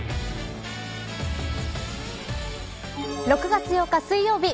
６月８日水曜日